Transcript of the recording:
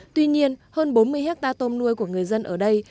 tuy nhiên hơn bốn mươi hectare tôm nuôi của người dân ở đây